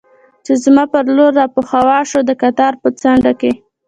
چې زما پر لور را په هوا شو، د قطار په څنډه کې.